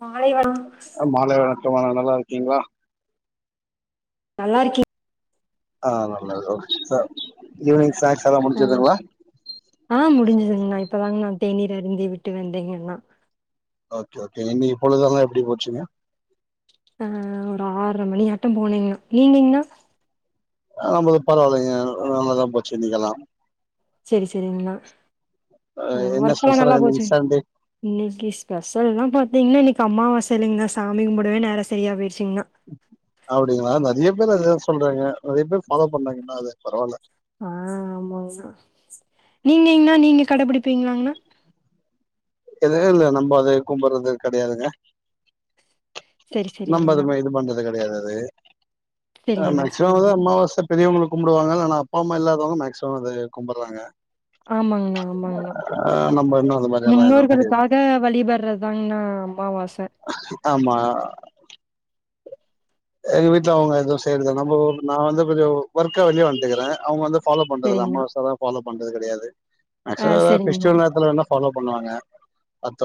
மாலை வண ஆ ம்மா நல்லா இருக்கீங்களா நல்லாருக்கேன் ஆஹ் நல்லது ச ஈவ்னிங் ஸ்னாக்ஸ் எல்லாம் முடிஞ்சுதுங்களா நான் இப்பதாங்க நான் தேநீர் அருந்தி விட்டு வந்தேங்கன்னா ஓகே ஓகே இனி இன்னைக்கு பொழுதல்லாம் எப்படி போச்சுங்க அஹ் ஒரு ஆர்ற மணி ஆட்டம் போனீங்கா நீங்கைன்னா நம்மது பரவாயில்லைங்க நல்லாதான் போச்சுஇன்னிக்கலாம் சரி சரிங்கனா அ ஹ் என்ன ஒர்க் எல்லாம் ஸ்பெஷலா நல்லாபோச்சு இன்னைக்கு சண்டே இன்னைக்கி ஸ்பஷல் நா இன்னு இன்னைக்கு அம்மாவாச இல்லைங்கன்ன சாமிக்கு கூம்மிடவேநேரம் சரியா போயிச் அப்படிங்களா நெறைய பேர் அது சொல்றாங்க நிறைய பேர் ஃபாலோ பண்ணறாங்க இன்னு அத பரவால ஆஹ் ஆமாங்கனா நீங்கைண்ணா நீங்க கடைபிடிப்பீங்கிளாண்ணா எதுவும் இல்ல நம்ம அதை கும்பறது கிடையாதுங்க சரி நம்ம அது சரிங்கண்ணா மெயிட்டன் பண்றது கிடையாது அது சரிங்கண்ணா மேக்ஸிமம் சரிங்கண்ணா அம்மாவாச பெரியவளுக்கு கும்புடுவாங்கல்ல அப்பா அம்மா இல்லாதவங்க மேக்ஸிமம் அத கும்பறாங்க ஆமாங்கண்ணா ஆமாங்கண்ணா நம்ம இன்னு அந்த மாரி எல்லா எதுவு முன்னோர்கள் கெடையாது க்காக வழிபடுறதாங்கன்னா அம்மாவாசை ஆமா எங்க வீட்டுல அவங்க எதுவும் செய்யறது நம்ம நான் வந்து கொஞ்சம் ஒர்க்கா வெளிய வன்டுக்கிறேன் அவங்க வந்து பாலோ பண்றதல்ல சரிங்கண்ணா அமாவாசலா பால்லோவ் பண்றதுல பண்றது கிடையாது ஆ ஆக்சுவலா சரிங்கண்ணா ஃபெஸ்டிவல் நேரத்துல வேணா ஃபாலோ பண்ணுவாங்க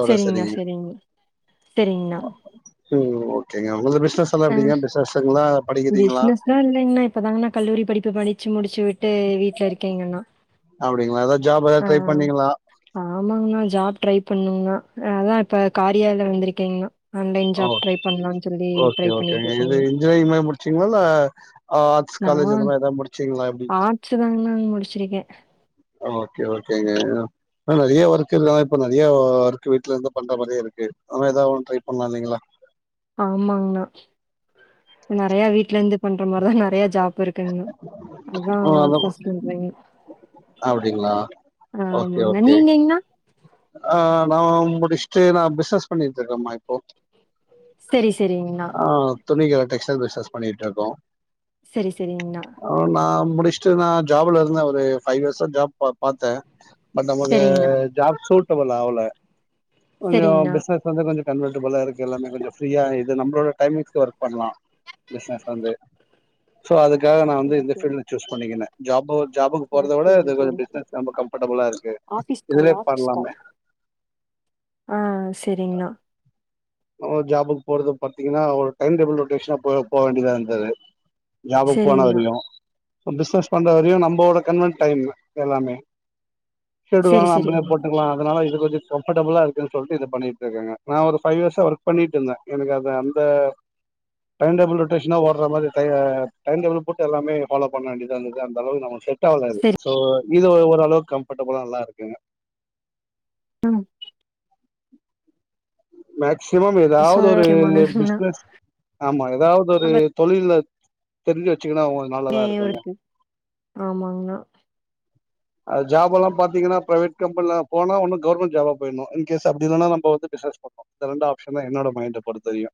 சரிங்கண்ணா சரிங்க சரிங்கண்ணா உம்ம் ஓகேங்க உங்கள் பிஸ் பிசினஸ் எல்லாம் ஆ எப்படிங்க பிசினஸ்லாம் இல்லைங்கன்னா இப்பதாங்கன்னா கல்லூரி படிப்பு படி படிச்சு முடிச்சு விட்டு வீட்டுல இருக்கேங்கன்னா அப்படிங்களா ஏதாவது ஜாப் ஏதாவது ட்ரை பண்ணீங்களா ஆமாங்கண்ணா. ஜாப் ட்ரை அதான் இப்ப காரியாலய வந்திருக்கீங்கனா ஆன்லைன் ஓ ஜாப் ட்ரை பண்ணலாம்னு சொல்லி ஓகே ட்ரை பண்ணிட்டு ஓகேங்க இருக்கேங்க. இன்ஜினியரிங் மாரி முடிச்சீங்களா இல்ல ஆர்ட்ஸ் காலேஜ் அந்த மாரிதான் ஏதாவது முடிச்சீங்களா எப்படி ஆர்ட்ஸ் தாங்கண்ணா நான் முடிச்சிருக்கேன் ஓகே ஓகேங்க நிறைய ஒர்க் இப்ப நிறைய ஒர்க் வீட்ல இருந்து பண்ற மாரியே இருக்கு ஆ ஏதாவ ட்ரை பண்ணலாம் இல்லைங்களா ஆமாங்கண்ணா நிறைய வீட்டுல இருந்து பண்ற மாரிதான் நிறைய ஜாப் இப்பயிருக்க அதான் ஆ பிரஸ்ட் அப்டிங்களா ஆமாங்க நீங்கங்கனா அஹ் நான் முடிச்சிட்டு பிசினஸ் பண்ணிட்டு இருக்கம்மா இப்போ சரி சரிங்கண்ணா துணி கடை டெக்ஸ்டைல்ஸ் பண்ணிட்டுக்கோம் சரி சரிங்கண்ணா முடிஸ்ட்டு நான் ஜாப்ல இருந்தேன் ஒரு ஃபைவ் இயர்ஸா ஜாப் பார்த்தேன் பட் நமக்கு சரிங்கண்ணா. ஜாப் சூட்டபல் அவல கொஞ்சம் சரிங்கண்ணா. பிசினஸ் அந்த கொஞ்சம் காம்படபிலா இருக்கு எல்லாமே கொஞ்சம் ஃப்ரீயா இது நம்மளோட டைமிங்ஸ்க்கு வொர்க் பண்ணலாம் பிசினஸ் வந்து சோ அது காக நான் வந்து இந்த ஃபீல்டு சூஸ் பண்ணிக்கேன் ஜ ஜாபக்கு போறதா விடா பிசினஸ்ொம்ப கம்பர்டுா இருக்கு ஆபீஸ் இதுல கால் ஆபீஸ் கால். எல்லாமே ஆ சரிங்கண்ணா, ஜாபுக்கு போறது பாத்தீங்கன்னா ஒரு டைம் டேபிள் ரொட்டேஷனா போ போ வேண்டிதான் இருந்தாது ஜாபுக்கு சரிங்கண்ணா. போனதில்ல இப்ப பிசினஸ் பண்ற வெறியோ நம்மவோட கன்வன் டைம் எல்லாமே ஷெடுல்லா சரி, நம்பளே சரிங்கண்ணா. போட்டுக்கலா அதனால இத பத்தி இது கம்ஃபர்டபுலா இருக்குன்னு சொல்லிட்டு இத பண்ணிட்டுயிருக்கேங்க நா ஒரு ஃபைவ் இயர்ஸ் இல்ல ஒர்க் பண்ணிட்டு இருந்தே எனக்கு அது அந்த டைம் டேபுள் ரொட்டேஷன்னா ஓடுறா மாதிரி டை டைம் டேபுள் போட்டு எல்லாமே ஃபால்லோ பண்ண வேண்டியதா இருந்துது அந்த அளவுக்கு நம்பளுக்கு செ ட் ஆகாது சரி. சோ இது ஓரளவுக்கு கம்ஃபர்டபுளா நல்லாயிருக்குங்க ஆஹ் மேக் சிமம் எதாவது ஒரு முக்கியமானதுங்கண்ணா. பிசினஸ் ஆமா எதாவது அது ஒரு நம்ம தொழில்ல தெரி்லயா ஏ இவருக்கு ஆமாங்கண்ணா அ ஜாப் எல்லா பாத்தீங்கன்னா பிரைவேட் கம்பெனில போனோ ஒன்னு கவர்மெண்ட் ஜாபா போயிடணோ இன்கேஸ் அப்டி இல்லன்னா நம்ம வந்துட்டு சர்ச் பண்ணோ இந்த ரெண்டு ஆப்ஷன் தா என்னோட மைண்ட பொறுத்த வெரியோ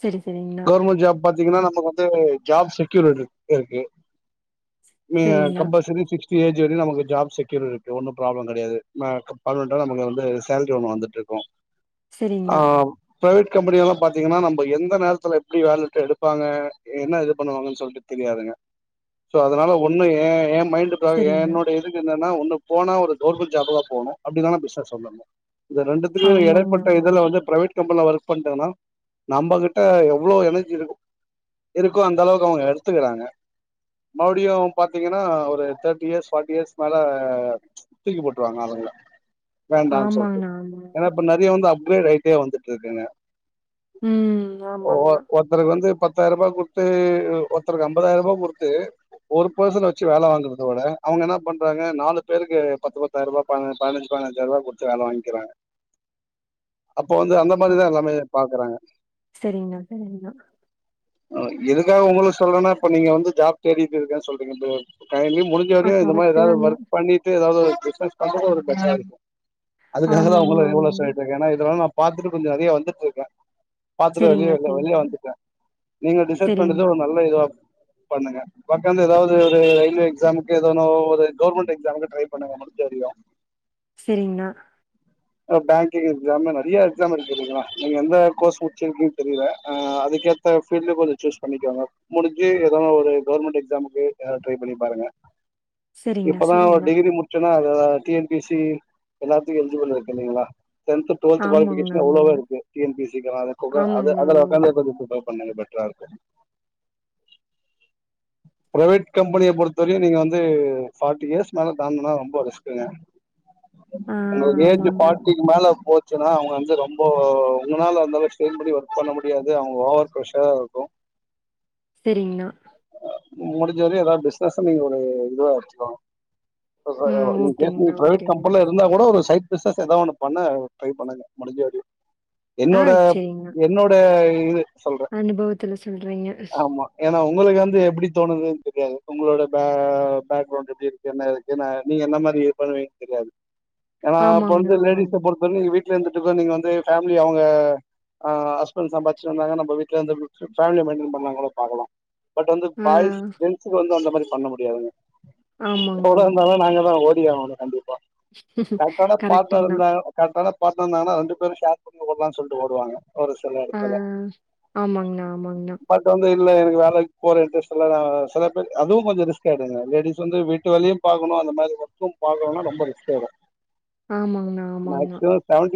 சரி, சரிங்கண்ணா. கவர்மெண்ட் ஜாப் பாத்தீங்கன்னா நம்ப வந்து ஜாப் செக்யூரிட்டியிருக்கு நீங்க சரிங்கண்ணா, கம்பல்செரி ஏஜ் வந்து நமக்கு ஜாப் செக்யூர்யிருக்கு ஒன்னோ ப்ராப்ளம் கெடையாது னா பதினெட்டான நமக்கு வந்து சேலரி ஒண்ணு வந்துட்டுயிருக்கோ செரிங்கண்ணா பிரைவேட் கம்பெனி எல்லா பாத்தீங்கன்னா நம்ப எந்த நேரத் துல எப்டி வேலட்டு எடுப்பாங்க என்ன இது பண்ணுவாங்கன்னு சொல்லிட்டு தெரியாதுங்க சோ அதனால ஒண்ணு ஏ ஏ மைண்ட் பா சரிங்கண்ணா. என்னோடைய இதுக்கு என்னன்னா ஒன்னு போனா ஒரு கவர்மெண்ட் ஜாபா போனோ அப்டி இல்லனா பிசினஸ் வந்துடனோ இது ரெண்டுத்துலயோ ஆமாங்கண்ணா, எடைப்பட்ட இதுல ஆமாங்கண்ணா. வந்து பிரைவேட் கம்பெனில வேல செய் பண்தானா நம்பகிட்ட எவ் ளோ எனர்ஜி இரு இருக்கோ அந்த அளவுக்கு அவங்க எடுத்துக்குறாங்க மறுபடியோ பார்த்தீங்கன்னா ஒரு தேர்ட்டி இயர்ஸ் ஃபார்ட்டி இயர்ஸ் மேல தூக்கி போட்டுருவாங்க அவங்கள வேண்டா சொல்டு ஆமாங்கண்ணா, ஆமாங்கண்ணா. ஏன்னா இப்ப நெறைய வந்து அது முறை வைக்க வந்துட்டுயிருக்குங்க உம் ஒ வ ஒருத்தருக்கு வந்து பத்து பத்தாயிரரூபா குடுத்து ஒருத்தருக்கு அம்பதாயிரரூபா குடுத்து ஒரு பர்சன் வெச்சு வேல வாங்குறத விட அவங்க என்ன பண்றாங்க நாலு பேருக்கு பத்து பத்தாயிர ரூபா தாங்க பதனஞ்சு பதனஞ்சாயிர ரூபா குடுத்து வேல வாங்கிக்குறே அப்போ வந்து அந்த மாரிதா எல்லாமே பாக்குறாங்க நீங்க [unintelligible] ஆஹ் எதுக்காக உங்களுக்கு சொல்றேன்னா இப்ப நீங்க வந்து ஜாப் தேடிட்டுயிருக்கன்னு சொல்றீங்க இல்லையா முடிஞ்ச ஆ வரையோ இந்த மாதிரி கரெக்ட்டு எதாவது தாங்கண்ணா. ஒர்க் பண்ணிட்டு எதாவது ஒரு ரிசர்ச் பண்றது ஒரு பிரச்சனையாயிருக்கோ அதுக்காகதா ஆமாங்கண்ணா, உங்கள இவ்ளோ ஆமாங்கண்ணா. சொல்லிட்டுயிருக்கே ஏன்னா இதலா நா பார்த்துட்டு கொஞ்சம் நிறைய வந்துட்டு இருக்கேன் பார்த் வெளிய வெளியா சரிங்கண்ணா, வந்திட்டேன் நீங்க டிசைட் சரிங்கண்ணா. பண்றதுதான் ஒருநல்ல இதுவா பண்ணுங்க பக்கம்ந்து ஏதாவது ஒரு ரயில்வே எக்ஸாமுக்கு ஏதுனோ ஒரு கவர்மெண்ட் எக்ஸாமுக்கு ட்ரை பண்ணுங்க முடிஞ்சவரைக்கும் சரிங்கண்ணா பேங்கிங் எக்ஸாம் நிறைய எக்ஸாம் இருக்குங்களா நீங்க எந்த கோர்ஸ் முச்சிருக்கீன்னு தெரியல ஆஹ் அதுக்கேத்த பீல்டு கொஞ்சம் சூஸ் பண்ணிக்கோங்க முடிஞ்சு ஏதனா ஒரு கவர்மெண்ட் எக்ஸாமுக்கு ட்ரை பண்ணி பாருங்க சரிங்கண்ணா, சரிங்கண்ணா, இப்பதான் ஒரு சரிங்கண்ணா. டிகிரி முடிச்ச அத டி என்பி சி எல்லாத்துக்கும் எல்ஜபில்இருக் இல்லங்களா டன்து டுவெல்த் ஆமாங்கண்ணா, குவாலிபிகேஷன் எவ்வளோவோ ஆமாங்கண்ணா. இருக்கு டி என் பி சி அது ஆமாங்கண்ணா, அதுல ஆமாங்கண்ணா. உக்காந்துேந்தும் பண்ணது பெட்ரா இருக்கும் பிரைவேட் கம்பெனியை பொறுத்த வரையும் நீங்க வந்து பார்ட்டி இயர்ஸ் மேல தான்டுனா ரொம்ப ரிஸ்குங்க ஆ உங்க ஏஜ் ஆமாங்கண்ணா. பார்ட்டிக்கு மேல போச்சு [unintelligible] அவங்க வந்து ரொம்ப உங்கனால அந்த அந்த மாரி ஸ்டெய்ன் பண்ணிஒர்க் பண்ண முடியாது அவங்க ஓவர் ப்ரெஷரா இருக்கும் செரிங்கண்ணா முடிஞ்சவரயும் ஏதாது பிசினஸ் நீங்க ஒரு இதுவா வெச்சிகோங்க அ ம். ஓகேங்கண்ணா, சுஉஹ் பிரைவேட் ஓகேங்கண்ணா. கம்பெனில இருந்தா கூட ஒரு சை பிசினஸ் ஏதா ஒண்ணு பண்ண ட்ரை பண்ணுங்க முடிஞ்ச வரயும் ஆ என்னோட சரிங்க. என்னோட இது சொல்றே அனுபவத்துல சொல்றீங்க [unintelligible] எப்டி தோணுது தெரியாது உங்களோட பே பேக்கிரவுண்ட் எப்டி இருக்கு என்ன இருக்கு நாநீ என்ன மாரி பண்ணுவீங்கன்னு தெரியாது ஏனா அப்ப ஆமாங்க, வந்து ஆமாங்க. லேடிஸ்ச பொறுத்தவரைக்கும் நீங்க வீட்டு வீட்ல இருந்துட்டு கூட நீங்க வந்து ஃபேமிளி அவங்க ஆஹ்ஆஹ் அஸ்பண்டுட்டு சம்பாச்சு வந்தாங்க ந வீட்லயே இருந்து ஃபேமளிய மெய்ண்டண் பண்ணி பாக்கலாம் பட் வந்து ஆ பாய்ஸ் ஜென்ஸ்க்கு வந்து அந்த மாரி பண்ண முடியாதுங்க இப்ப ஆமாங்கண்ணா, கூடஇருந்தாலும் ஆமாங்கண்ணா. நாங்க தான் ஓடியாகணும் [unintelligible] வ கரெக்டானா பாட்ணர் கரெக்ட்டுங்கண்ணா. இருந்தா கரெக்டானா பாட்னர் இருந்தாங்கன்னா ரெண்டுபேரும் ஷேர் பண்ணி ஓடலம்னு சொல்லிட்டுஓடுவாங்க ஒருசில ஆ எடத்துல ஆமாங்கண்ணா, ஆமாங்கண்ணா. பட்வந்து இல்ல இத வேலக்கு போற இன்ரஸ்டு இல்லா ஆ சில பேர் அதுவும்கொஞ்சம் ரிஸ்க் ஆயிடுங்க லேடிஸ் வந்து வீட்டு வேலயும் பாக்கணும் அந்த மாதிரி ஒர்க்கு பாக்கணும் ரொம்ப ரிஸ்க் ஆயிரும் ஆமாங்கண்ணா ஆமாங்கண்ணா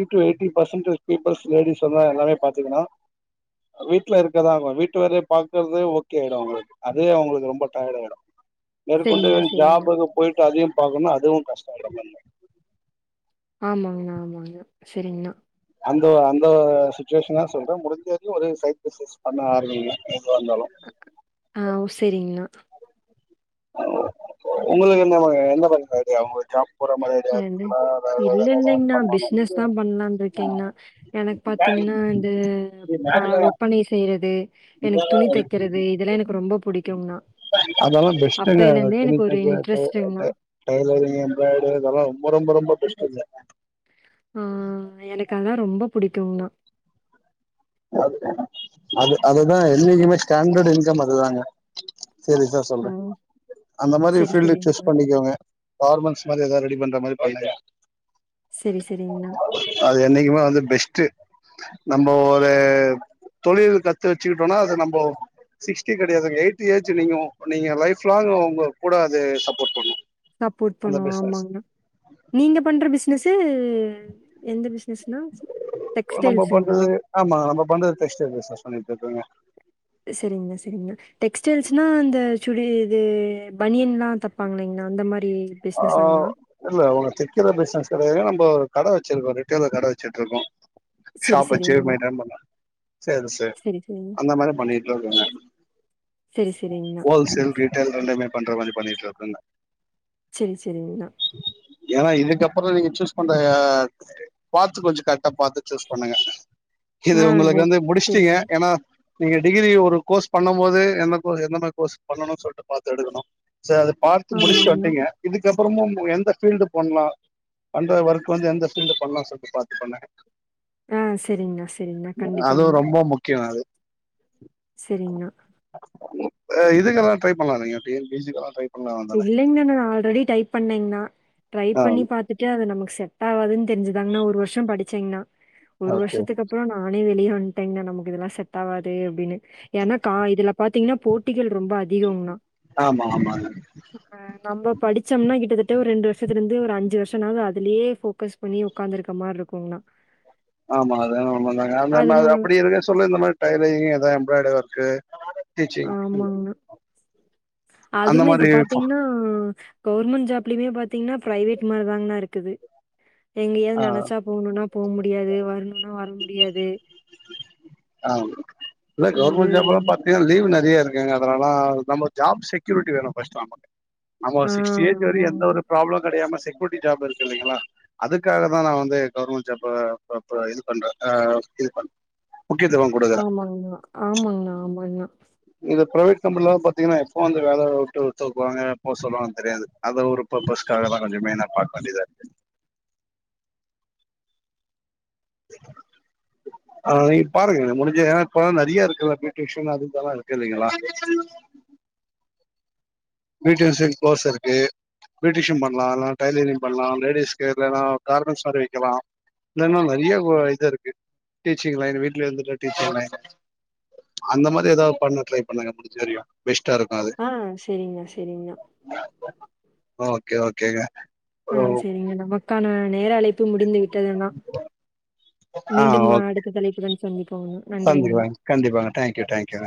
எயிட்டிபசண்டு பீப்பில்ஸ் லேடிஸ் எல்லாமே பாத்துக்கனும் வீட்டுல இருக்குராங்க வீட்டு வேலய பாக்குறது ஓ [unintelligible] அதே அவங்களுக்கு ரொம்ப டயர்டு ஆயிடும் மேற்கொண்டு சரிங்கண்ணா, சரிங்கண்ணா. ஜாபுக்கு போயிட்டு அதயும் பாக்கனும் அதுவும் கஷ்டம் அத பண்ண ஆமாங்கண்ணா ஆமாங்கண்ணா சரிங்கண்ணா அந்த அந்த சுச்வேஷன்லா சொல்றேன் முடிஞ்சுதும் ஒரு சைடு பிஸ்னஸ் பண்ண ஆரமிங்க ஆஹ் செரிங்கண்ணா உங்களுக்கு என்ன மாதி என்ன மா பண்ண ஜாப் போற மாரி ஐடியா இல்ல இருக்குங்களா வேற எதாவது இல்லங்கண்ணா பிசினஸ் தான் பண்ணலாம் இருக்கேங்கண்ணா எனக்கு பண்ணனு பாத்தீங்கன்னா இந்த ஆஹ் ஒப்பனை செய்யறது எனக்கு துணி தெக்கறது இதெலாம் எனக்கு ரொம்ப பிடிக்கும்ண்ணா [unintelligible] அதெலாம் ரொம்ப ரொம்ப ரொம்ப பெஸ்ட் ஆஹ் எனக்கு அதான் ரொம்ப பிடிக்குங்கண்ணா அது அதுதான் என்னைக்குமே ஸ்டாண்டர்டு இன்கம் அதுதாங்க செரி சார் சொல்றேன் ஆ. அந்த மாரி சரி, பீல்டு சூஸ் சரிங்கண்ணா. பண்ணிக்கோங்க கவர்மெண்ட் ஆமா ஏதாது ரெடி பண்ற மாரி பாருங்க சரி, சரிங்கண்ணா. அது என்னைக்குமே வந்து பெஸ்ட்டு நம்போ தொழில் கத்து வச்சுக்கிட்டோம்னா அது நம்ம சிக்ஸ்டி கிடையாது எயிட்டி ஏஜ் நீங்க நீங்க லைப் லாங்க் உங்க கூட அது சப்போர்ட் பண்ணும் சப்போர்ட் பண்ணும் ஆமாங்கண்ணா நீங்க பண்ற பிசினஸ் இது எந்த பிசினஸ் நம்ம பண்றது ஆமாங்க நம்ம பண்றது டெக்ஸ்டைல்ஸ் பிசினஸ் பண்ணிட்டு இருக்கங்க சரிங்கண்ணா, சரிங்கண்ணா. டெக்ஸ்டைல்ஸ்னா அந்த சுடி இது பனியன்லாம் தைப்பாங்களாங்களா அந்த மாதிரி ஆஹ் இல்ல உங்க தைக்கிற பிசினஸ் கிடையாது இப்போ ஒரு கடை வச்சிருக்கோம் ரிட்டோல கடை வச்சுட்டு இருக்கோம் சரி, ஷாப் வச்சி சரிங்கண்ணா. மெயின்டெய்ன் பண்ணன் சர்வீஸ் சரி, சரிங்க. அந்த மாதிரி பண்ணிட்டு இருக்கேன் நான் சரி, சரிங்கண்ணா. வோல்சேல் ரிட்டெயில் ரெண்டுமே பண்ற மாதிரி பண்ணிட்டு இருக்கேன் சரி சரிங்கண்ணா ஏன்னா இதுக்கப்புறம் நீங்க சூஸ் பண்ற பாத்து கொஞ்சம் கரெட்டா பாத்து சூஸ் பண்ணுங்க இது ஆ, ஓ உங்களுக்கு வந்து முடிச்சுட்டீங்க சரிங்கண்ணா. ஏன்னா நீங்க டிகிரி ஒரு கோர்ஸ் பண்ணும் போது என்த எந்த மாரி கோர்ஸ் பண்ணணும்னு சொல்லிட்டு பாத்து எடுக்கணும் சார் அத பாத்து முடிச்சிட்டு ஆமாங்கண்ணா. வந்தீங்க இதுக்கப்புறம் அப்புறமும் எந்த ஃபீல்டு பண்ணலாம் அந்த ஒர்க்க் வந்து எந்த ஃபீல்டு பண்ணலாம் சொல்லிட்டு பாத்து பண்ணுங்க ஆ, சரிங்கண்ணா, சரிங்கண்ணா. அதுவும் கண்டிப்பாங்கண்ணா. ரொம்ப முக்கியம் அது சரிங்கண்ணா இதுக்கெல்லாம் ட்ரை பண்ணலாம் நீங்க T N P S C try பண்ணலா தானே இல்லைங்கண்ணா நான் ஆல்ரெடி டைப் பண்ணேங்கண்ணா ட்ரை ஆ பண்ணி பாத்துட்டு அத நமக்கு செட் செட் ஆவாதுன்னு தெரிஞ்சுாங்கண்ணா ஒரு வருஷம் படிச்சேங்கன்னா ஒரு வருஷத்துக்கு அப்புறம் நானே வெளிய வந்துட்டீங்கன்னா நமக்கு இதெல்லாம் செட் ஆகாதுன்னு அப்டின்னு ஏன்னா இதுல பாத்தீங்கன்னா போட்டிகள் ரொம்ப அதிகம்னா ஆமா ஆமாங்க ஆஹ் நம்ம படிச்சோம்னா கிட்டத்தட்ட ஒரு ரெண்டு வருஷத்துல இருந்து ஒரு அஞ்சு வருஷனாவது அதுலயே போக்கஸ் பண்ணி உக்காந்துருக்க மாரி இருக்கும்ன்னா ஆமா அ தாங்க அந்த மா அது அப்டி இருக்கு சொல்ல இந்த மாரி டைலரிங் அத எம்பராய்டரி ஒர்க்கு டிச்சிங் அதுமே இப்ப பாத்தீங்கன்னா கவுவர்மெண்ட் ஜாப்லயுமே பார்த்தீங்கன்னா பிர்ைவேட் மாதிரிதாங்க தான் இருக்குது ஆ எங்கேயாவது நினைச்சா போகணும்னா போ முடியாது வரணும் வர முடியாது ஆ இல்ல அது கவர்மெண்ட் ஜாப் எல்லாம் பாத்தீங்கன்னா லீவ் நிறைய அதலால நம்ம ஜாப் செக்யூரிட்டி வேணும்ஸ் நமக்கு நம்ம ஆ ஒரு சிகஸ்டி ஏஜ் வரையும் எந்த ஆமாங்கண்ணா. ஒரு ப்ராப்ள கிடையாம செக்யூரிட்டி ஜாப் இருக்கு இல்லைங்களா அதுக்காக தான் நான் வந்து கவுவர்மெண்ட் ஜாப் இது பண்றேன் இது பண்றன் ஆமாங்கண்ணா ஆமாங்கண்ணா ஆமாங்கண்ணா இது பிரைவேட் கம்பனிலல்லாம் பாத்தீங்கன்னா எப்போ வந்து வேலை விட்டு தூக்குவாங்க எப்போ சொல்லுவாங்கு தெரியாது அத ஒருப் பஸாகதான் கொஞ்சம் மெயினா பார்க்க வேண்டியதா இரு ஆஹ் நீ பாருங்க முடிஞ்ச ஏன் இப்பாம் நிறைய இருக்குல்ல பியூட்டஷன் அதுெல்லாம் இருக்கு இல்லைங்களா பியூட்டிஷியன் கோஸ் இருக்கு பியூட்டிஷியன் பலாம் டைலரிங் பண்ணலாம் பலாம் லேடிஸ்கு கமெண்ட்ஸ் மாரி வைக்கலாம் இன்னா நிறைய இது இருக்கு டீச்சிங் லைன் வீடல இருந்து டீச்சங் லைன் அந்த மாரி ஏதாவ பண்ண ட்ரை பண்ணுங்க முடிஞ்ச வரையும் இட்ட இருக்கும் அது சரிங்கா சரிங்கா ஓகே ஓகேங்க ஓ ஆஹ் சரிங்க நமக்கான நேர அழைப்பு முடிந்துவிட்டு துான ஆ மீண்டும் ஓகே அடுத்த தலைப்புயுடன் சந்திப்போங்க நன்றிங்கனா சந்திக்கலாங்க கண்டிப்பாங்க தேங்க்யூ தேங்க்யூ